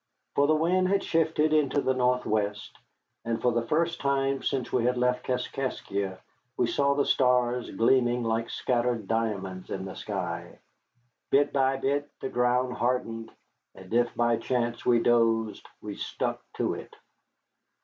For the wind had shifted into the northwest, and, for the first time since we had left Kaskaskia we saw the stars gleaming like scattered diamonds in the sky. Bit by bit the ground hardened, and if by chance we dozed we stuck to it.